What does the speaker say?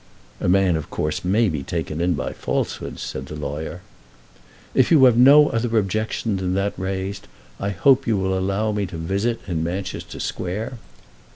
"A man of course may be taken in by falsehoods," said the lawyer. "If you have no other objection than that raised, I hope you will allow me to visit in Manchester Square."